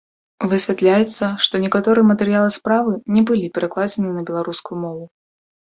Высвятляецца, што некаторыя матэрыялы справы не былі перакладзеныя на беларускую мову.